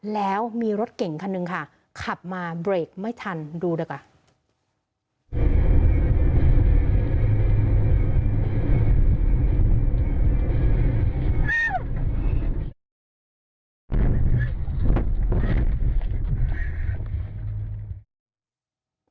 แล้วมีรถเก่งคันหนึ่งค่ะขับมาเบรกไม่ทันดูดีกว่า